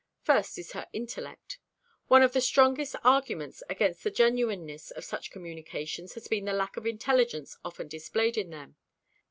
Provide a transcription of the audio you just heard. First is her intellect. One of the strongest arguments against the genuineness of such communications has been the lack of intelligence often displayed in them.